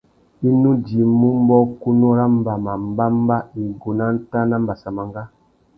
I nu djïmú mbōkunú râ mbama, mbămbá, igúh nà ntāh na mbassamangá.